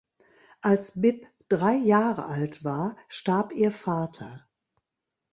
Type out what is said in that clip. Als Bibb drei Jahre alt war, starb ihr Vater.